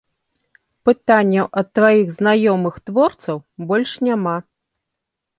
Пытанняў ад тваіх знаёмых-творцаў больш няма.